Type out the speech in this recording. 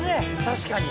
確かに。